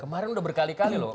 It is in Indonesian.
kemarin udah berkali kali loh